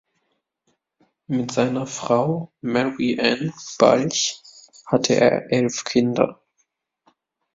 Mit seiner Frau Mary Ann Balch hatte er elf Kinder.